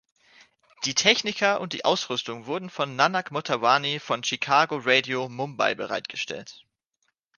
Die Techniker und die Ausrüstung wurden von Nanak Motawani von „Chicago Radio“, Mumbai, bereitgestellt.